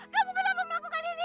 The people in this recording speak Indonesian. kamu kenapa melakukan ini